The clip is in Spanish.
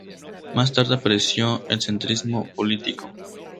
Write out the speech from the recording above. Más tarde apareció el centrismo político.